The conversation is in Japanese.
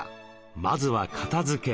まずは片づけ。